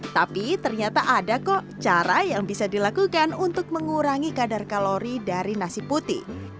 tapi ternyata ada kok cara yang bisa dilakukan untuk mengurangi kadar kalori dari nasi putih